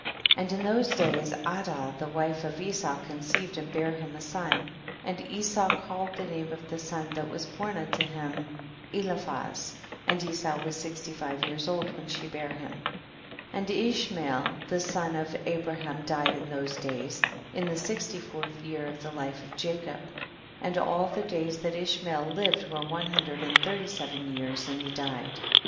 And in those days Adah the wife of Esau conceived and bare him a son, and Esau called the name of the son that was born unto him Eliphaz, and Esau was sixty five years old when she bare him. 18. And Ishmael the son of Abraham died in those days, in the sixty fourth year of the life of Jacob, and all the days that Ishmael lived were one hundred and thirty seven years and he died.